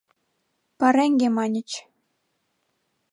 «Пареҥге» маньыч.